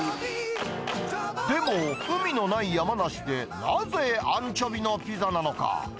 でも、海のない山梨でなぜアンチョビのピザなのか。